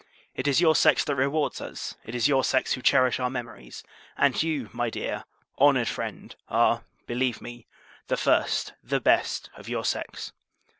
It is your sex that rewards us; it is your sex who cherish our memories; and you, my dear, honoured friend, are, believe me, the first, the best, of your sex.